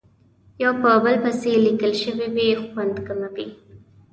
یو په بل پسې لیکل شوې وي خوند کموي.